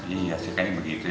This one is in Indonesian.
iya sayang kayak begitu ya